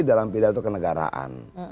dalam pidato kenegaraan